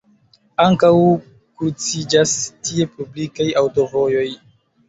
Ankaŭ kruciĝas tie publikaj aŭtovojoj.